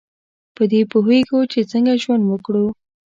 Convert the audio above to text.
په دې پوهیږو چې څنګه ژوند وکړو.